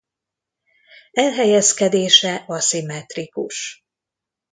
Elhelyezkedése aszimmetrikus.